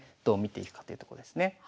どう見ていくかというとこですね。